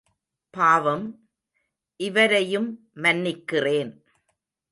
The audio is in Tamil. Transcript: பாவம், இவரையும் மன்னிக்கிறேன்.